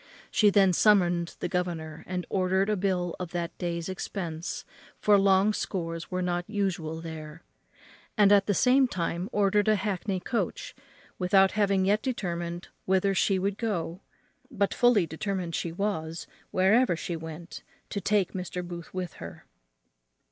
She then summoned the governor, and ordered a bill of that day's expense, for long scores were not usual there; and at the same time ordered a hackney coach, without having yet determined whither she would go, but fully determined she was, wherever she went, to take Mr. Booth with her.